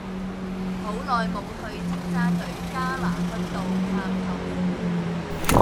好耐無去尖沙咀加拿分道探舅父